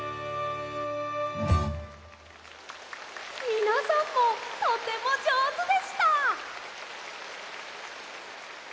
みなさんもとてもじょうずでした！